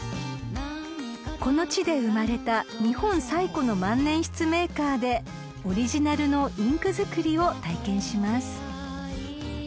［この地で生まれた日本最古の万年筆メーカーでオリジナルのインク作りを体験します］